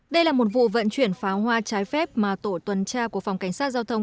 đây là một vụ vận chuyển pháo hoa trái phép mà tổ tuần tra của phòng cảnh sát giao thông